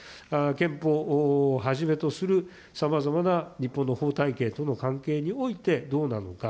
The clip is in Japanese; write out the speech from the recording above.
憲法をはじめとするさまざまな日本の法体系との関係において、どうなのか。